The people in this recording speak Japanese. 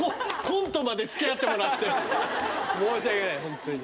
申し訳ないホントに。